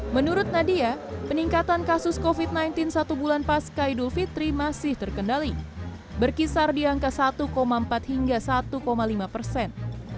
menurut nadia peningkatan kasus covid sembilan belas satu bulan pasca idul fitri masih terkendali berkisar di angka satu empat hingga satu lima persen